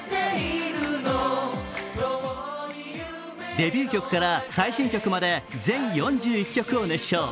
デビュー曲から最新曲まで全４１曲を熱唱。